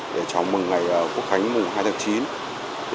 để chào mừng ngày quốc khánh mùng hai tháng chín